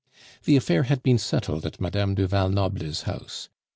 The affair had been settled at Mme. du Val Noble's house.